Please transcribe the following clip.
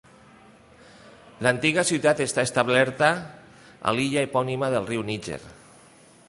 L'antiga ciutat està establerta a l'illa epònima del Riu Níger.